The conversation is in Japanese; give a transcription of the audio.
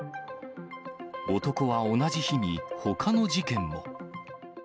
男は同じ日に、ほかの事件も。